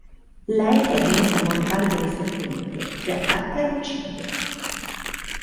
Lei è nemica mortale del serpente, che attacca e uccide.